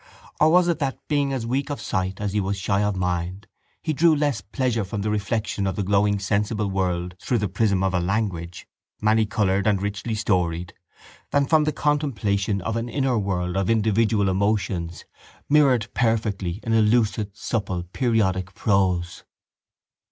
Or was it that, being as weak of sight as he was shy of mind, he drew less pleasure from the reflection of the glowing sensible world through the prism of a language manycoloured and richly storied than from the contemplation of an inner world of individual emotions mirrored perfectly in a lucid supple periodic prose?